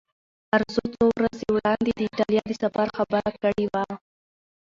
ارزو څو ورځې وړاندې د ایټالیا د سفر خبره کړې وه.